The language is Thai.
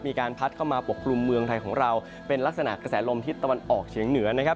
มีการพัดเข้ามาปกกลุ่มเมืองไทยของเราเป็นลักษณะกระแสลมทิศตะวันออกเฉียงเหนือนะครับ